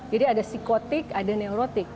jadi ada psikotik ada neurotik